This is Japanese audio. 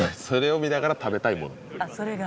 それを見ながら食べたいもの。